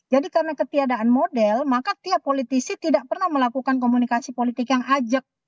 jadi karena ketiadaan model maka tiap politisi tidak pernah melakukan komunikasi politik yang ajak